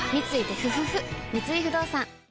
三井不動産